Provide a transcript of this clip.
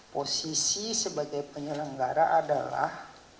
posisi sebagai penyelenggara adalah